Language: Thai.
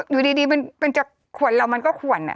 อยู่ดีมันจะขวนเรามันก็ขวน